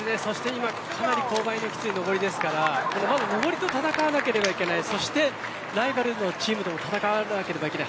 かなり今、勾配のきつい上りですから上りと戦わなければいけないそしてライバルのチームとも戦わなければいけない